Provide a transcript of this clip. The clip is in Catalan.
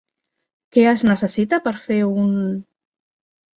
Què es necessita per fer un...?